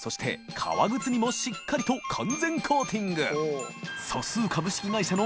革靴にもしっかりと完全コーティング秡膿芦饉劼